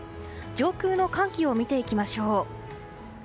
上空の寒気を見ていきましょう。